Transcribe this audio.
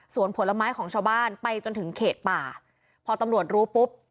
ส่วนผลไม้ของชาวบ้านไปจนถึงเขตป่าพอตำรวจรู้ปุ๊บ